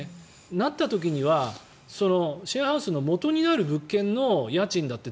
なった時にはシェアハウスのもとになる物件の家賃だって